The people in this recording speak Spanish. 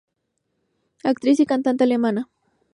Actriz y cantante alemana.